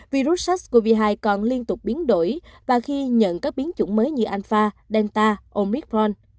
virus sars cov hai còn liên tục biến đổi và khi nhận các biến chủng mới như anfa delta omicron